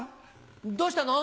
どうしたの？